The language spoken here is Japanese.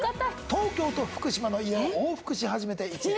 東京と福島の家を往復し始めて１年。